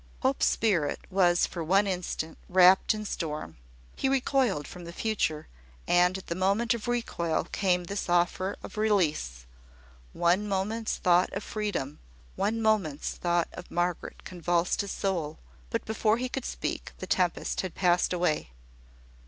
Hope's spirit was for one instant wrapped in storm. He recoiled from the future, and at the moment of recoil came this offer of release. One moment's thought of freedom, one moment's thought of Margaret convulsed his soul; but before he could speak the tempest had passed away.